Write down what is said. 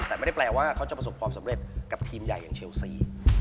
แต่ไม่ได้แปลว่าเขาจะประสบความสำเร็จกับทีมใหญ่อย่างเชลซี